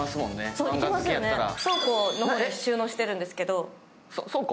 倉庫の方に収納してるんですけれども。